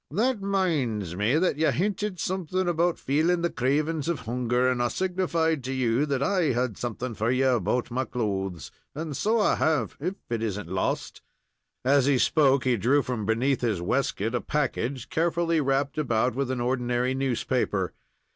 "That minds me that you hinted something about feeling the cravings of hunger, and I signified to you that I had something for ye about my clothes; and so I have, if it isn't lost." As he spoke, he drew from beneath his waistcoat a package, carefully wrapped about with an ordinary newspaper.